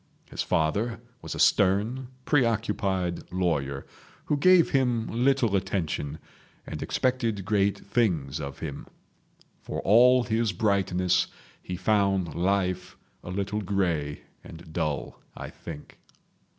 His father was a stern, preoccupied lawyer, who gave him little attention, and expected great things of him. For all his brightness he found life a little grey and dull I think.